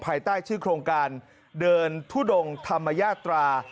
ภายใต้ชื่อโครงการเดินทุดงธรรมญาตรา